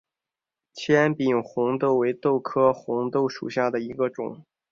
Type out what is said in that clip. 纤柄红豆为豆科红豆属下的一个种。